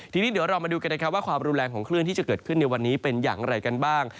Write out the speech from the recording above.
ทีนี้เรามาดูแ๑๙๙๕วันของขลายวางว่าความรุนแรงของคลื่นที่จะเกิดขึ้นในวันนี้เป็นอย่างไรกันบ้าง